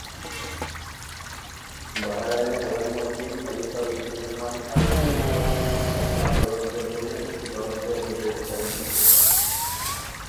বাহরাইনের প্রধানমন্ত্রী Khalifa bin Salman Al Khalifa ঘটনার তদন্তের জন্য একটি তদন্তের নির্দেশ দেন।